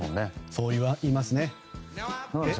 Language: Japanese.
そう言いますよね。